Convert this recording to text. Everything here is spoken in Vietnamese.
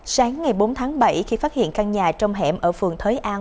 sáng ngày bốn tháng bảy khi phát hiện căn nhà trong hẻm ở phường thới an